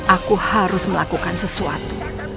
aku harus melakukan sesuatu